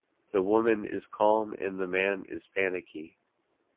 The woman is calm and the man is panicky.